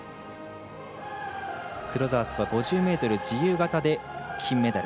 クロザースは５０ｍ自由形で金メダル。